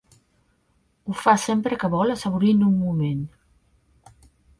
Ho fa sempre que vol assaborir un moment.